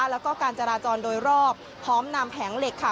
แล้วก็การจราจรโดยรอบพร้อมนำแผงเหล็กค่ะ